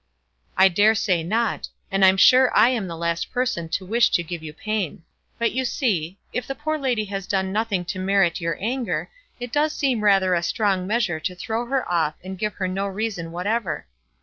"I daresay not. And I'm sure I am the last person to wish to give you pain. But you see, if the poor lady has done nothing to merit your anger, it does seem rather a strong measure to throw her off and give her no reason whatever.